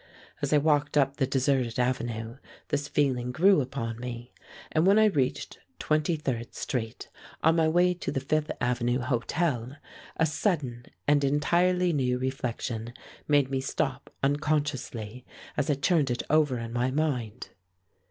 As I walked up the deserted avenue this feeling grew upon me, and when I reached Twenty third Street, on my way to the Fifth Avenue Hotel, a sudden and entirely new reflection made me stop unconsciously as I turned it over in my mind.